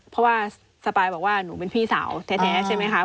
เพราะว่าสปายบอกว่าหนูเป็นพี่สาวแท้ใช่ไหมคะ